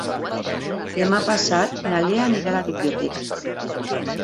Demà passat na Lea anirà a la biblioteca.